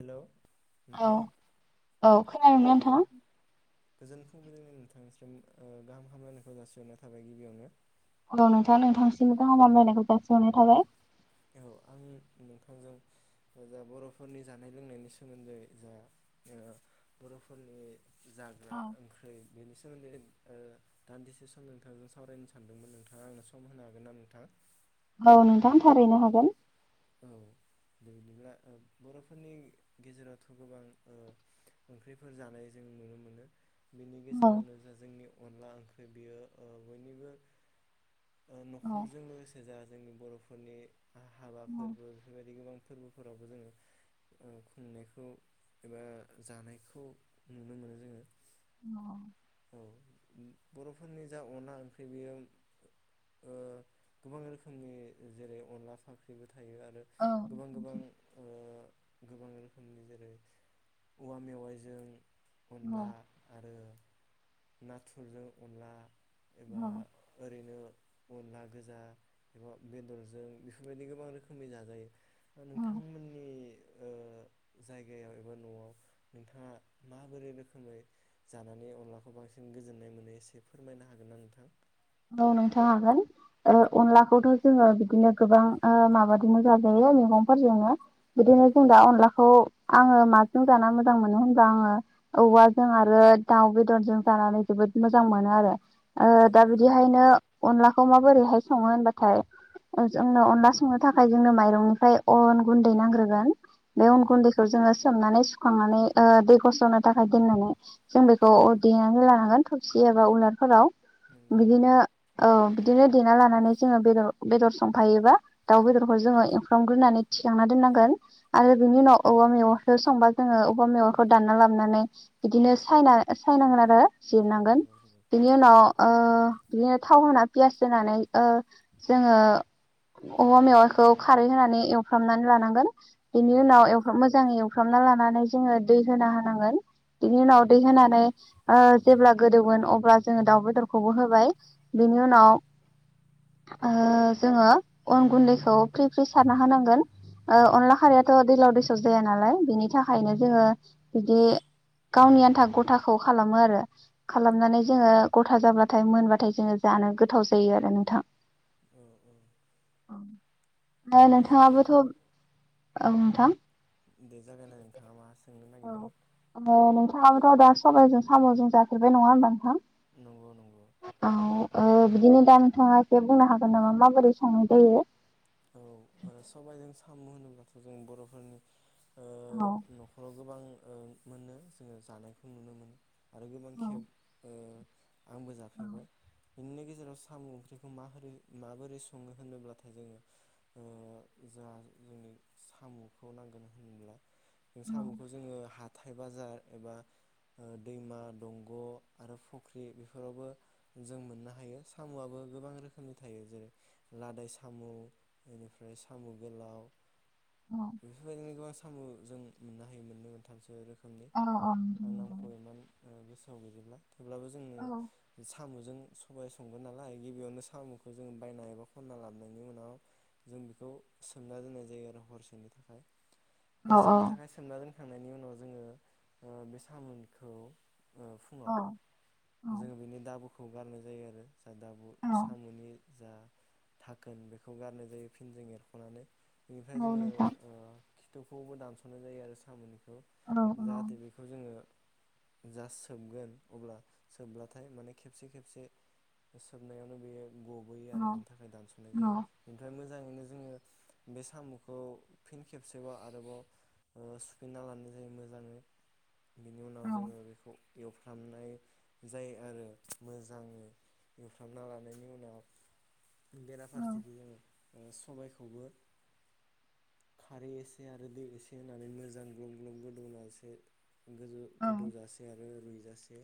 Hello औ नोंथां औ खोनादोंनो औ नोंथां। गोजोन फुंबिलिंनि नोंथांनिसिम गाहाम हामलायनायखौ जासिहरनाय थाबाय गिबियावनो। औ नोंथाङा नोंथांनिसिमबो गाहाम हामलायनायखौ जासिहरनाय थाबाय। औ आं नोंथांजों जा बर'फोरनि जानाय लोंनायनि सोमोन्दै जा बर'फोरनि जाग्रा ओंख्रि बेनि सोमोन्दै दान्दिसे सम नोंथांजों सावरायनो सानदोंमोन नोंथाङा आंनो सम होनो हागोन ना नोंथां। औ नोंथां थारैनो हागोन। औ बिदिब्ला बर'फोरनि गेजेरावथ' गोबां ओंख्रिफोर जानाय जों नुनो मोनो। बिनि औ गेजेरावनो जा जोंनि। अनला ओंख्रि बेयो ओ बयनिबो औ न'खरजों लोगोसे जा जोंनि बर'फोरनि हाबा औ फोरबो बेफोरबायदि गोबां फोरबोफोरावबो जोङो ओ खुंनायखौ एबा जानायखौ नुनो मोनो जोङो। अ औ बर'फोरनि जा अनला ओंख्रि बेयो ओ गोबां रोखोमनि जेरै अनला फाख्रिबो थायो आरो औ गोबां गोबां ओ गोबां रोखोमनि जेरै औवा मेवाइजों औ अनला आरो नाथुरजों अनला एबा औ ओरैनो अनला गोजा एबा बेदरजों बेफोरबायदि गोबां रोखोम नि जाजायो नोंथांमोननि ओ जायगायाव एबा न'आव नोंथाङा माबोरै रोखोमै जानानै अनलाखौ बांसिन गोजोननाय मोनो एसे फोरमायनो हागोन ना नोंथां? औ नोंथां हागोन। अनलाखौथ' जोङो बिदिनो गोबां आ माबादि मोजां जायो मैगंफोरजोंनो बिदिनो जों दा अनलाखौ आङो माजों जाना मोजां मोनो होनबा आङो औवाजों आरो दाउ बेदरजों जानानै जोबोद मोजां मोनो आरो ओ औ दा औ बि बिहायनो अनला खौ माबोरैहाय सङो होनबाथाय जोंनो अनला संनो थाखाय जोंनो माइरंनिफ्राय अन गुन्दै नांग्रोगोन। बे उन नंगौ गुन्दैखौ जोङो सोमनानै सु सुखांनानै दै ओ गस'नो थाखाय दोननानै जों बेखौ देनानै लानांगोन थबसि एबा उलारफोराव उम बिदिनो औ बिदिनो देना लानानै जोङो बेदर बेदर संफायोबा दाउ बेदरखौ जोङो एवफ्रामग्रोनानै थिखांना दोननांगोन आरो बिनि उनाव अबा मेगनखौ संबा जोङो अबेबा मेगनखौ दानना लाबोनानै बिदिनो सायना सायनांगोन आरो जिरनांगोन नंगौ नंगौ नंगौ बिनि उनाव ओ बिदिनो थाव होना पियास होनानै ओ जोङो औवा मेवाइखौ खारै होनानै एवफ्रामनानै लानांगोन। बेनि औ औ उनाव एवफ्राम मोजाङै एव फ्रामना लानानै जोङो दै होना होनांगोन। बिनि उनाव दै होनानै ओ जेब्ला गोदौगोन अब्ला जोङो दाउ बेदरखौबो हो होबाय बिनि उनाव ओ जोङो अन गुन्दैखौ फ्रि फ्रि सारना होनांगोन ओ अनला खारैयाथ' दैलाव दैसाव जाया नालाय बिनि थाखायनो जोङो बिदि गावनि आन्था गथाखौ खालामो आरो खालामनानै जोङो गथा जाबा थाय मोनबाथाय जोङो जानो गोथाव जायो आरो नोंथां। औ औ [unintelligible] माबो नोंथाङाबोथ' औ नोंथां। दे जागायनाय नोंथाङा मा सोंनो औ नागिरदोंमोन? ओ [unintelligible] सबाइजों साम'जों जाफेरबाय नङा होमबा नोंथां? नंगौ नंगौ। औ ओ बिदिनो दा नोंथाङा एसे बुंनो हागोन नामा माबोरै संनाय जायो? औ सबायजों साम' होनोब्लाथ' जों बर'फोरनि ओ औ न'खराव गोबां ओ मोनो जोङो जानायखौ नुनो मोनो। आरो गोबां औ खेब ओ आंबो औ जाफेरबाय बिनिनो गेजेराव साम' ओंख्रिखौ माबोरै माबोरै सङो होनोब्लाथाय जोङो ओ जा जोंनो साम'खौ नांगोन होन्ला साम'खौ जोङो हा हाथथाय बाजार एबा ओ दैमा दंग' आरो फख्रि बेफोरावबो जों मोननो हायो साम'आबो गोबां रोखोमनि थायो जेरै लादाय साम'। बेनिफ्राय साम' गोलाव बे [unintelligible] सामु जों मोननो हायो मोननै मोनथामसो रोखोम अ औ नंगौ। ओ गोसोआव गैजोबला। थेवब्लाबो जोंनो साम' जों सबाय संगोन नालाय गिबियावनो साम'खौ जोंङो बायना एबा खनना लाबोनायनि उनाव जों बेखौ सोमना दोननाय जायो आरो हरसेनि थाखाय। औ हरसेनि थाखाय सोमना दोन खांनायनि उनाव जोङो ओ बे सामुखौ फुङाव औ औ जोङो बेनि दाबो खौ गारनाय जायो आरो। जा दाब औ साम'नि जा थाखोन बे बेखौ गारनाय जायो फिन जों एरख'नानै बेनिफ्राय जोङो खिथुखौबो दानस'नाय जायो आरो सामुनि जाहाथे बेखौ जोङो जास सोबगोन अब्ला सोबब्लाथाय माने खेबसे खेबसे सोबनायावनो बेयो गबोयो आरो बेनि थाखाय दानस'नाय जायो। मोजाङैनो जोङो बे साम'खौ फिन खेबसेबाव आरोबाव ओ सुफिन्ना लानाय जायो मोजाङै बिनि उनाव जोङो बेखौ एवफ्रामनाय जायो आरो मोजाङै एवफ्रामना लानायनि उनाव बेराफारसेखि जोङो सबायखौबो खारै एसे आरो दै एसे होनानै मोजां ग्लुं ग्लुं गोदौ जासे गोदौ गोदौजासे आरो रुइ जासे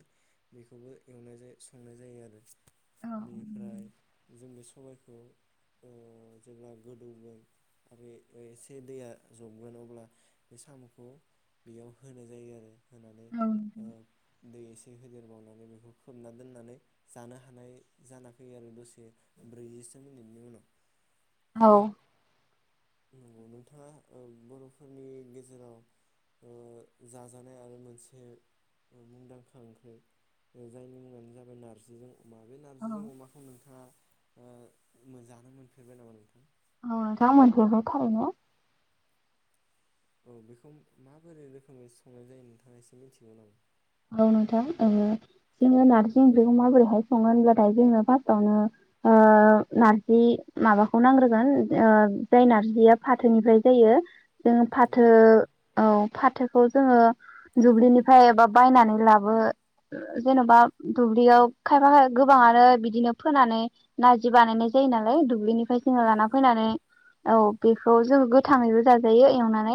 बेखौबो एवनाय जायो संनाय जायो आरो बेनिफ्राय जों बे सबायखौ ओ जेब्ला गोदौगोन आरो एसे दैया जबगोन अब्ला बे साम'खौ बेयाव होनाय जायो आरो होनानै ओ दै एसे होदेरबावनानै बेखौ खोबना दोननानै जानो हानाय जाना फैयो आरो दसे ब्रैजिसो मिनिटनि उनाव। औ। ओ नंगौ नोंथाङा ओ बर'फोरनि गेजेराव ओ जाजानाय आरो मोनसे मुंदांखा ओंख्रि जायनि मुङानो जाबाय नार्जिजों बे नारजिजों अमाखौ नोंथाङा [unintelligible] फेरबाय नामा नोंथां। [unintelligible] औ बेखौ माबोरै रोखोमै संनाय जायो नोंथाङा एसे मिथिगौ नामा। औ नोंथां ओ जोङो नारजि ओंख्रिखौ माबोरैहाय सङो होनब्लाथाय जोंङो फार्स्टावनो ओ नारजि माबाखौ नांग्रोगोन ओ जाय नारजिया फाथोनिफ्राय जायो। जों फाथो नंगौ नंगौ औ फाथो। खौ जोङो जुब्लिनिफ्राय एबा बायनानै लाबो जेन'बा दुब्लियाव खायफा खाय गोबांआनो बिदिनो फोनानै नारजि बानायनाय जायो नालाय दुब्लिनि [unintelligible] जोङो औ लाना औ फैनानै। औ बेखौ जोङो गोथाङैबो जाजायो एवनानै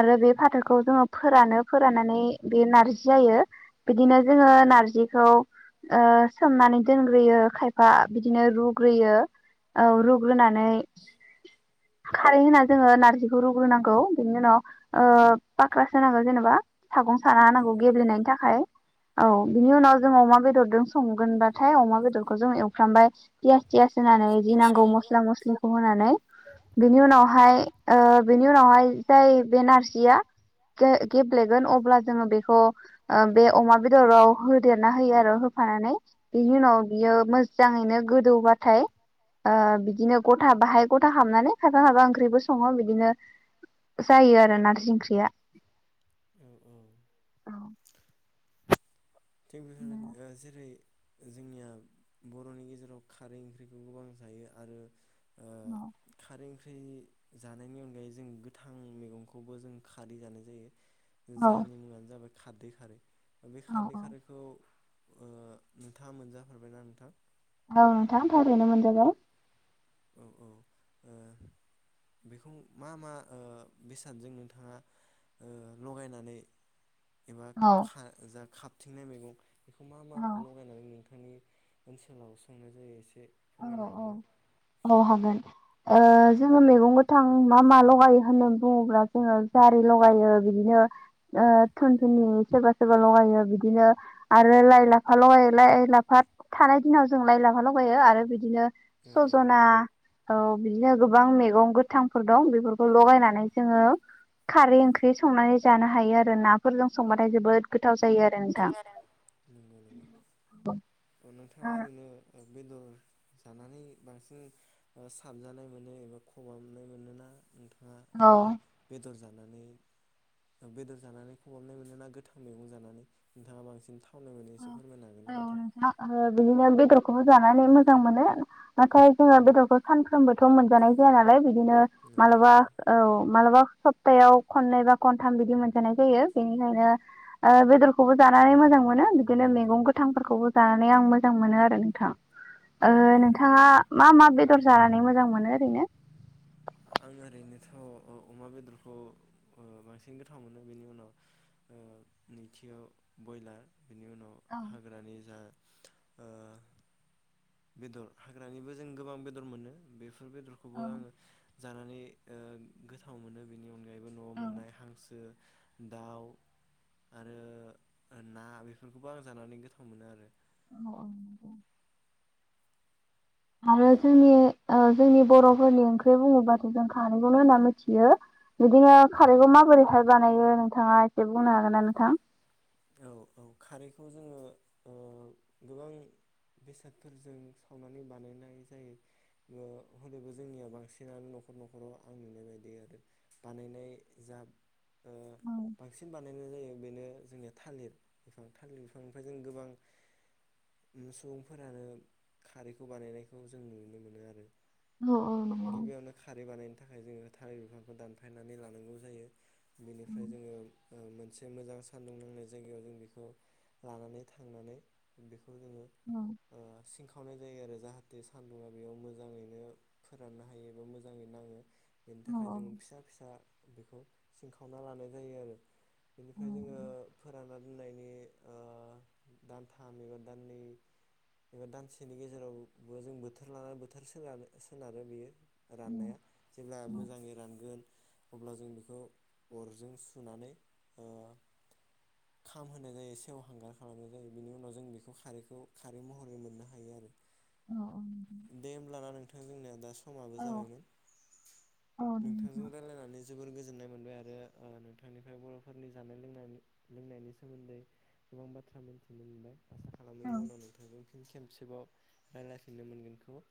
आरो बे फाथोखौ जोङो फोरानो फोराननानै बे नारजि जि जायो बिदिनो जोङो नार्जिखौ ओ सोमनानै दोनग्रोयो खायफा बिदिनो रुग्रोयो औ रुग्रोनानै खारै होना जोङो नार्जिखौ रुग्रोनांगौ बिनि उनाव ओ फाख्रा सोनांगौ जेनेबा। सागं साना होनांगौ। नंगौ नंगौ गेब्लेनायनि थाखाय। औ बिनि उनाव जोङो अमा बेदरजों संगोनबाथाय अमा बेदरखौ जों एवफ्रामबाय पियास थियास होनानै जि नांगौ खोनानाय मस्ला मस्लिखौ होनानै बिनि उनावहाय ओ बेनि उनावहाय जाय बे नार जिया गे-गेब्लेगोन अब्ला जोङो बेखौ ओ बे अमा बेदराव होदेरना होयो आरो होफानानै बिनि उनाव बियो मोजाङैनो गोदौबाथाय ओ बिदिनो गथा बाहाय गथा हाबनानै खायफा खायफा ओंख्रिबो सङो बिदिनो जायो आरो नारजि ओं औ औ। थिग बेफोर ओ जेरै जोंनिया बर'नि गेजेराव खारै ओंख्रिखौ गोबां जायो आरो ओ औ। खारै ओंख्रि जानायनि अनगायै जों गोथां मैगंखौबो जों खारि जानाय जायो। औ जायनि मुङानो जाबाय खादै खारै। बे औ खारदै खारैखौ ओ नोंथाङा मोनजाफेरबायना नोंथां? औ नोंथां थारैनो मोनजागौ। औ औ बेखौ मा मा ओ बेसादजों नोंथाङा ओ लगायनानै एबा औ खा जा खा थिंनाय मैगं मा मा औ लगायनानै नों नोंथांनि ओनसोलाव संनाय जायो एसे एसे औ फोरमायनो औ हागोन ना? औ हागोन ओ जोङो मैगं गोथां मा मा लगायो होननानै बुङोब्ला जोङो जारि लगायो बिदिनो ओ थुन थुननि सोरबा सोरबा लगायो बिदिनो आरो लाइ लाफा लगायो लाइ लाफा थानाय दिनाव जों लाइ लाफा लगायो आरो बिदिनो औ औ सजना औ बिदिनो गोबां मैगं गोथांफोर दं बेफोरखौ लगायनानै जोङो खारै ओंख्रि संनानै जानो हायो आरो नाफोरजों संबाथाय जोबोद [inaudible] गोद बेदर जानानै बांसिन साबजानाय मोनो एबा खबाबनाय मोनोना नोंथां। नोंथाङा औ ओरैनो बेदर जा जानानै बेदर जानानै खबाबनाय मोनो ना गोथां मैगं जानानै नोंथाङा बांसिन थावनाय मोनो एसे फोरमायनो हागोन ना औ नोंथां बिदिनो बेदर खौबो जानानै मोजां मोनो नाथाय जोङो बेदरखौ सानफ्रोमबोथ' मोनजानाय जाया नालाय बिदिनो नंगौ मालाबा नंगौ औ मालाबा सप्तायाव खननै बा खनथाम बिदि मोनजानाय जायो बेनिखायनो बेदरखौबो जानानै मोजां मोनो बिदिनो मैगं गोथांफोरखौबो जानानै आं मोजां मोनो आरो। औ नोंथाङा औ नोंथाङा मा मा बेदर जानानै मोजां मोनो ओरैनो? आं ओरैनोथ' अमा बेदरखौ बांसिन गोथाव मोनो बेनि उनाव नैथियाव बयलार बिनि उनाव औ औ हाग्रानि जा ओ बेदर हाग्रानिबो जों गोबां बेदर मोनो बे ओर बेदरखौबो औ आंङो जानानै ओ गोथाव मोनो बेनि अन गायबो न'आव मोननाय हांसो दाव आरो ना बेफोरखौबो आं जानानै गोथाव मोनो आरो। अ ओं दे। आरो औ जोंनि ओ जोंनि बर'फोरनि ओंख्रि बुंङोब्लाथाय जों खारखौनो होनना मिथियो। बिदिनो नंगौ खारैखौ नंगौ माबोरैहाय बानायो नों थांङा एसे बुंनो हागोन ना नोंथां? औ औ खारैखौ जोंङो गोबां बेसादफोरजों सावनानै बानायनाय जायो ङो होनोबो जोंनिया बांसिनानो न'खर न'खराव आं नुनाय बायदि आरो बानायनाय जा ओ औ बांसिन बानायनाय जायो बेनो जोंनिया थालिर बिफां थालिर बिफांनिफ्राय जों गोबां सुबुंफोरानो खारैखौ बानायनायखौ जों नुनो मोनो आरो। औ औ नंगौ। गिबियावनो खारै बानायनो थाखाय जोंङो थालिर बिफांखौ दानफायनानै लानांगौ जायो बेनिफ्राय जोंङो ओ मोनसे मोजां सान्दुं नांनाय जायगायाव जों बेखौ लानानै थांनानै बे औ खावनाय जायो आरोना जाहाथे सान्दुंङा बेयाव मोजांङैनो फोराननो हायो बा मोजांङै नांङो बेनि थाखाय जों फिसा फिसा बेखौ सिनखावना लानाय जायो आरो बेनिफ्राय जोंङो ना दोननायनि ओ दानथाम एबा दाननै एबा दानसेनि गेजेरावबो जों बोथोर लानानै बोथोर सोन-सोनारो बेयो। राननाया जेब्ला मोजांङै रानगोन अब्ला जों बेखौ अर'जों सुनानै ओ खाम होनाय जायो सेवहांगार खालामनाय जायो बेनि उनाव जों बेखौ खारैखौ खारै महरै मोननो हायो आरो। दे होमब्लाना नोंथां जोंनिया दास समाबो जाबायमोन नोंथांजों रायलायनानै जोबोर गोजोननाय मोनबाय आरो ओ नोंथांनिफ्राय बर'फोरनि जानाय लोंनाय लोंनायनि सोमोन्दै गोबां बाथ्रा मोनथिनो मोनबाय। आसा खालामो उनाव नोंथांजों खेबसेबाव रायलायफिननो मोनगोनखौ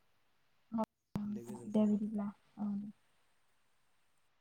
दे गोजोन्थों नोंथां। बिदिब्ला औ